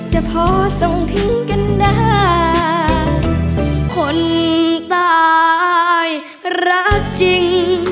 หญิงคนไหน